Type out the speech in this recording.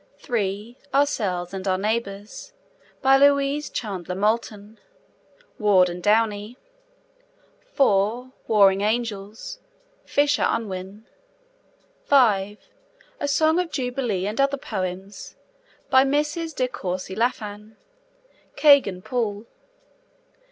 (3) Ourselves and Our Neighbours. By Louise Chandler Moulton. (Ward and Downey.) (4) Warring Angels. (Fisher Unwin.) (5) A Song of Jubilee and Other Poems. By Mrs. De Courcy Laffan. (Kegan Paul.)